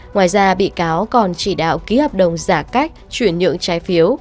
ngoài ra bị cáo còn chỉ đạo ký hợp đồng giả cách chuyển nhượng trái phiếu